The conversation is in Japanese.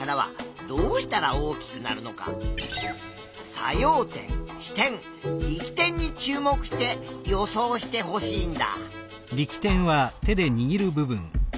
作用点支点力点に注目して予想してほしいんだ。